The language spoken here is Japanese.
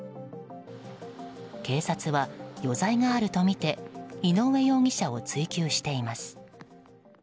警察は、余罪があるとみて井上容疑者を追及しています。